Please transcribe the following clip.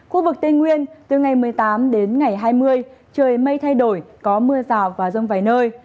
khu vực tây nguyên từ ngày một mươi tám đến ngày hai mươi trời mây thay đổi có mưa rào và rông vài nơi